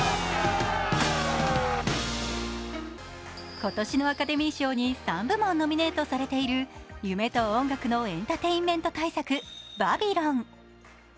今年のアカデミー賞に３部門ノミネートされている夢と音楽のエンターテインメント大作「バビロン」。